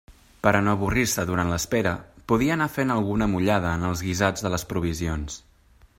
Per a no avorrir-se durant l'espera, podia anar fent alguna mullada en els guisats de les provisions.